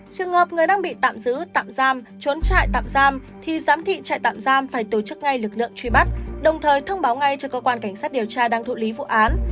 trường hợp người đang bị tạm giữ tạm giam trốn trại tạm giam thì giám thị trại tạm giam phải tổ chức ngay lực lượng truy bắt đồng thời thông báo ngay cho cơ quan cảnh sát điều tra đang thụ lý vụ án